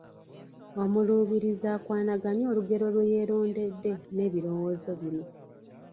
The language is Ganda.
Omuluubirizi akwanaganye olugero lwe yeerondedde n’ebirowoozo bino